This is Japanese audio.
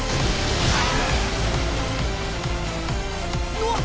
うわっ！